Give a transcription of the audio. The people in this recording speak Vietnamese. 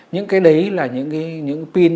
những cái đấy là những cái pin